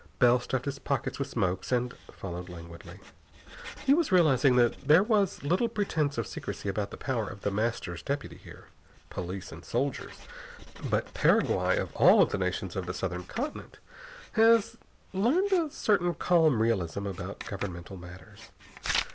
Bell stuffed his pockets with smokes and followed languidly. He was realizing that there was little pretense of secrecy about the power of The Master's deputy here. Police and soldiers.... But Paraguay, of all the nations of the southern continent, has learned a certain calm realism about governmental matters.